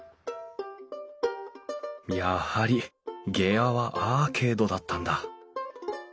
やはり下屋はアーケードだったんだ。